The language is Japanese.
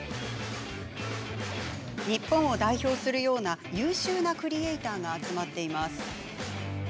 日本を代表するような優秀なクリエーターが集まっています。